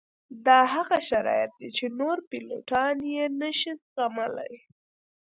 دا هغه شرایط دي چې نور پیلوټان یې نه شي زغملی